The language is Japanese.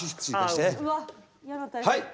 はい。